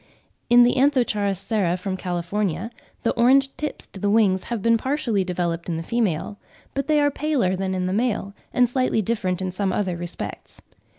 In the Anth. sara from California, the orange tips to the wings have been partially developed in the female; but they are paler than in the male, and slightly different in some other respects.